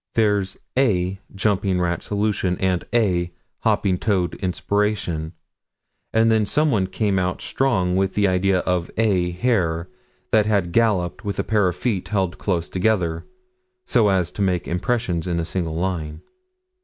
There's "a" jumping rat solution and "a" hopping toad inspiration, and then someone came out strong with an idea of "a" hare that had galloped with pairs of feet held close together, so as to make impressions in a single line.